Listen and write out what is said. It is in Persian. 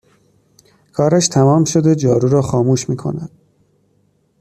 کارش تمام شده جارو را خاموش میکند